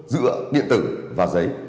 giữa điện tử và giấy